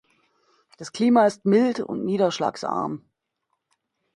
Das Klima ist mild und niederschlagsarm.